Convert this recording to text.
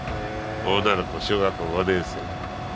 女の子小学校５年生の。